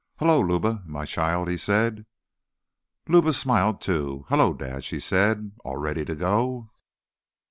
"Hello, Luba, my child," he said. Luba smiled, too. "Hello, Dad," she said. "All ready to go?"